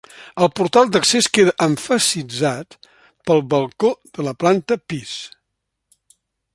El portal d'accés queda emfasitzat pel balcó de la planta pis.